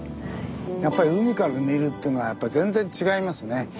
やっぱり海から見るっていうのは全然違いますね。